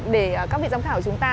để các vị giám khảo chúng ta